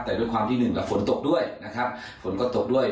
แต่ด้วยความที่หนึ่งกับฝนตกด้วยนะครับฝนก็ตกด้วย